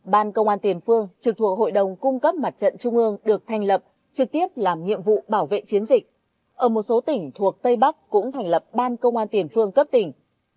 ban công an tiền phương trực thuộc hội đồng cung cấp mặt trận trung ương được thành lập trực tiếp làm nhiệm vụ bảo vệ chiến dịch ở một số tỉnh thuộc tây bắc cũng thành lập ban công an tiền phương cấp tỉnh